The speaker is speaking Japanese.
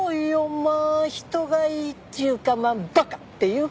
まあ人がいいっていうかまあ馬鹿っていうか。